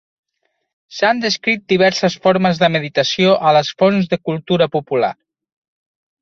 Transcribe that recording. S"han descrit diverses formes de meditació a les fons de cultura popular.